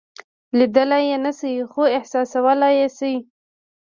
لیدلی یې نشئ خو احساسولای یې شئ.